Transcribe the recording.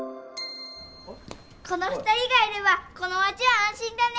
この２人がいればこの町はあん心だね！